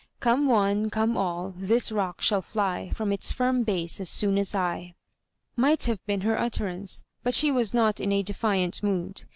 «* Come one, come all, this rock shall fly From its firm base as soon as I," might have been her utterance; but she was not in a defiant mood.